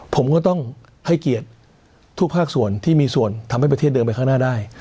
ผมก็ต้องให้เกียรติทุกภาคส่วนที่มีส่วนทำให้ประเทศเดินไปข้างหน้าได้